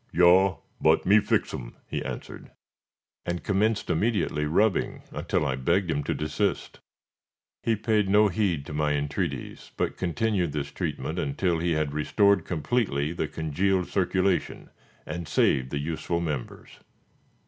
"Yaw, but me fix em," he answered, and commenced immediately rubbing until I begged him to desist. He paid no heed to my entreaties, but continued this treatment until he had restored completely the congealed circulation, and saved the useful members.